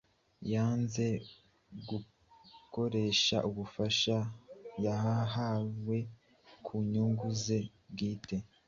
Yanze gukoresha ububasha yahawe ku nyungu ze bwite,